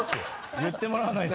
言ってもらわないと。